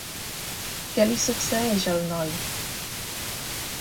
Què li succeeix al noi?